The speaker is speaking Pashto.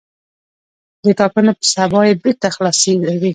د ټاکنو په سبا یې بېرته خلاصوي.